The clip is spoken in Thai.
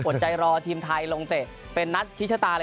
อดใจรอทีมไทยลงเตะเป็นนัดฮีชะตาเลย